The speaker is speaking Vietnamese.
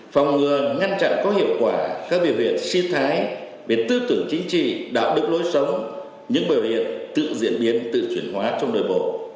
phòng ngừa ngăn chặn có hiệu quả các biểu hiện suy thái về tư tưởng chính trị đạo đức lối sống những biểu hiện tự diễn biến tự chuyển hóa trong nội bộ